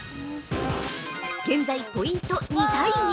現在ポイント２対２！